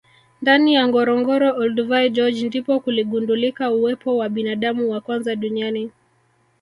ndani ya ngorongoro Olduvai george ndipo kuligundulika uwepo wa binadamu wa kwanza duniani